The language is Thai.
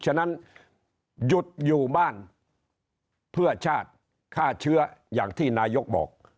ฉะนั้นหยุดอยู่บ้านเพื่อชาติฆ่าเชื้ออย่างที่นายกบอก